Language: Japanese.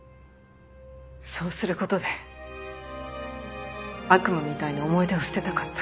そうする事で悪夢みたいな思い出を捨てたかった。